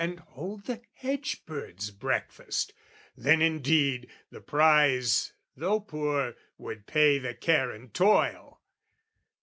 And hold the hedge bird's breakfast, then indeed The prize though poor would pay the care and toil!